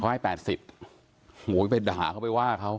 เขาให้แปดสิบโหไปด่าเขาไปว่าเขา